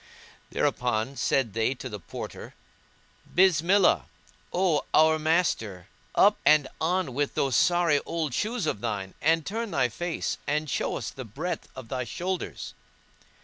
Thereupon said they to the Porter, "Bismillah,[FN#164] O our master, up and on with those sorry old shoes of thine and turn thy face and show us the breadth of thy shoulders!"